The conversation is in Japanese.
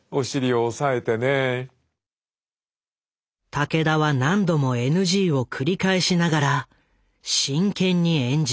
武田は何度もＮＧを繰り返しながら真剣に演じた。